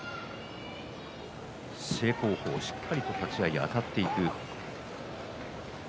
正攻法しっかりと立ち合いであたっていく翠